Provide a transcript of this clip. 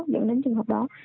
dẫn đến trường hợp đó